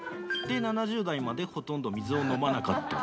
「７０代までほとんど水を飲まなかった」